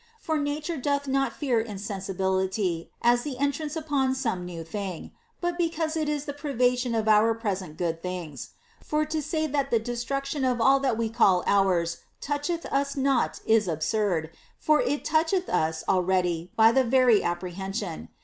For Nature doth not fear insensibility as the entrance upon some new thing, but because it is the privation of our present good things. For to say that• the destruction of all that we call ours toucheth us not is absurd, for it toucheth us already by the very apprehension.